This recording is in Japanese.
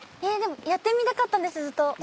ええでもやってみたかったんですずっと。